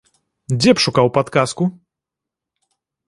Дзе б шукаў падказку?